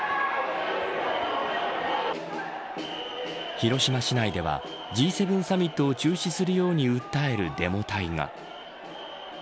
広島市内ではＧ７サミットを中止するように訴えるデモ隊が。